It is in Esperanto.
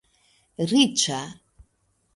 riĉa